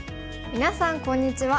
みなさんこんにちは。